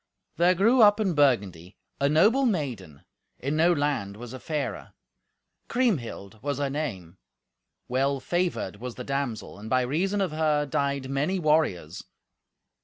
There grew up in Burgundy a noble maiden, in no land was a fairer. Kriemhild was her name. Well favoured was the damsel, and by reason of her died many warriors.